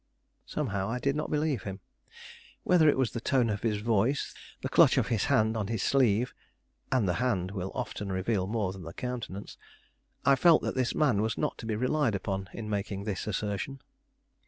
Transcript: Somehow, I did not believe him. Whether it was the tone of his voice, the clutch of his hand on his sleeve and the hand will often reveal more than the countenance I felt that this man was not to be relied upon in making this assertion.